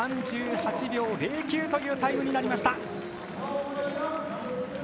３８秒０９というタイムになりました。